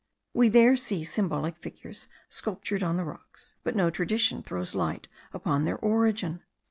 We there see symbolic figures sculptured on the rocks, but no tradition throws light upon their origin.